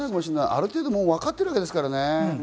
ある程度もうわかってるわけですからね。